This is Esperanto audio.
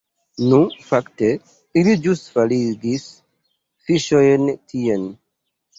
Nu, fakte ili ĵus faligis fiŝojn tien